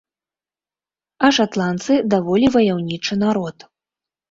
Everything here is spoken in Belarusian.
А шатландцы даволі ваяўнічы народ.